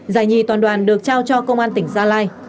giải nhì toàn đoàn được trao cho công an tỉnh gia lai